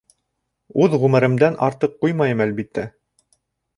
Үҙ ғүмеремдән артыҡ ҡуймайым, әлбиттә.